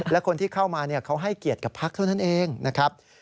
และคนที่เข้ามาเขาให้เกียรติกับพักเท่านั้นเองนะครับ